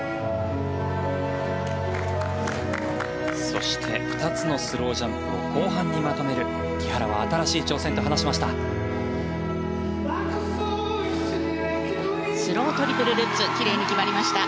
そして２つのスロウジャンプを後半にまとめる木原は新しい挑戦と話しました。